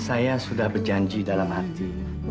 saya sudah berjanji dalam hati